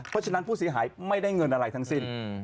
เพราะฉะนั้นผู้เสียหายไม่ได้เงินอะไรทั้งสิ้น